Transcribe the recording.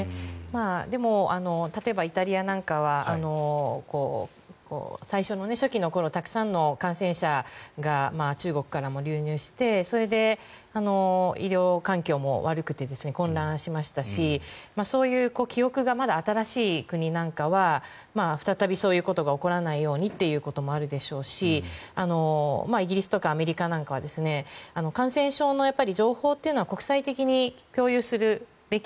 でも例えば、イタリアなんかは最初の初期の頃にたくさんの感染者が中国からも流入してそれで医療環境も悪くて混乱しましたし、そういう記憶がまだ新しい国なんかは再びそういうことが起こらないようにということもあるでしょうしイギリスとかアメリカなんかは感染症の情報というのは国際的に共有するべき。